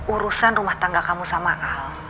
urusan rumah tangga kamu sama